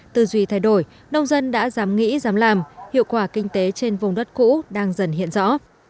từ duy thay đổi nông dân đã dám nghĩ dám làm hiệu quả kinh tế trên vùng đất cũ đang dần hiện rõ